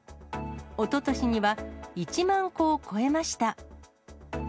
おととしには１万戸を超えました。